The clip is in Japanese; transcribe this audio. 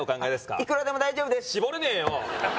いくらでも大丈夫です絞れねえよ！